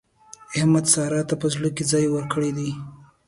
احمد سارا ته په زړه کې ځای ورکړی دی.